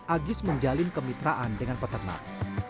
agis menjalin kemitraan dengan peternak